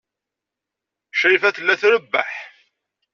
Crifa tella trebbeḥ.